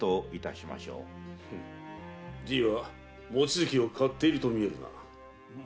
じいは望月を買っていると見えるな。